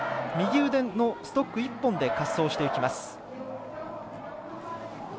右腕のストック１本で滑走していきます。